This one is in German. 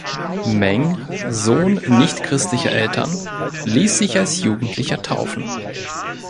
Meng, Sohn nichtchristlicher Eltern, ließ sich als Jugendlicher taufen.